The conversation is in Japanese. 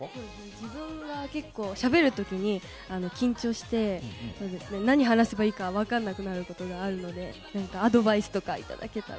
自分がしゃべるときに緊張して、何話せばいいかわからなくなるところがあるので、アドバイスとかいただけたら。